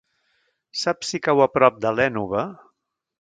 Saps si cau a prop de l'Énova?